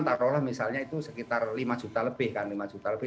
taruhlah misalnya itu sekitar lima juta lebih kan lima juta lebih